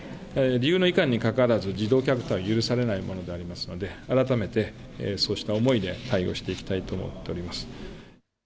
理由のいかんにかかわらず、児童虐待は許されないものでありますので、改めてそうした思いで対応していきたいと思っております。